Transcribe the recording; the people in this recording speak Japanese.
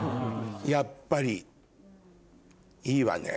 やっぱりいいわね。